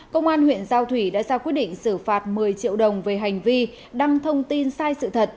công an huyện giao thủy đã ra quyết định xử phạt một mươi triệu đồng về hành vi đăng thông tin sai sự thật